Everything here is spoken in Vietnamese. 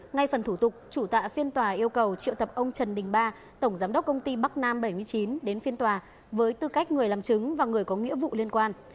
ngay phần thủ tục chủ tọa phiên tòa yêu cầu triệu tập ông trần đình ba tổng giám đốc công ty bắc nam bảy mươi chín đến phiên tòa với tư cách người làm chứng và người có nghĩa vụ liên quan